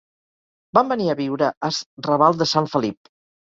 Van venir a viure as raval de Sant Felip.